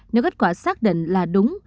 nếu kết quả xác định là đúng